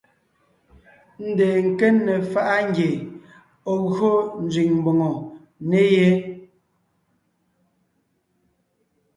Ndeen nke ne faʼa ngie ɔ̀ gyo nzẅìŋ mbòŋo ne yé.